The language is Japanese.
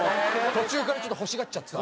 途中からちょっと欲しがっちゃってた。